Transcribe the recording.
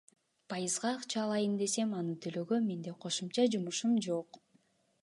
Пайызга акча алайын десем, аны төлөөгө менде кошумча жумушум жок.